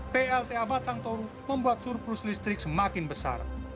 plta batang toru membuat surplus listrik semakin besar